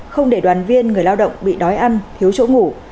không để đoàn viên người lao động bị đói ăn thiếu chỗ ngủ